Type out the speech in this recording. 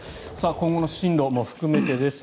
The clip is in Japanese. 今後の進路も含めてです。